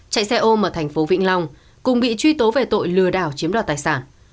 chạy xe ôm ở thành phố vĩnh long cùng bị truy tố về tội lừa đảo chiếm đoạt tài sản